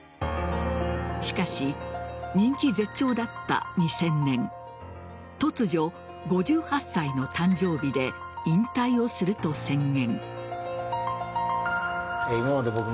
しかし人気絶頂だった２０００年突如、５８歳の誕生日で引退をすると宣言。